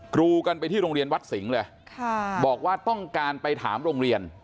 กรูกันไปที่โรงเรียนวัดสิงห์เลยบอกว่าต้องการไปถามโรงเรียน